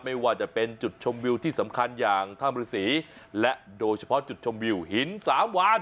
ไม่ว่าจะเป็นจุดชมวิวที่สำคัญอย่างถ้ำฤษีและโดยเฉพาะจุดชมวิวหินสามวาน